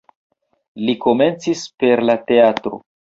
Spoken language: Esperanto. Li komencis per la teatro.